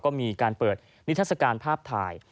ก็มีการเปิดนิทัศกาลภาพถ่าย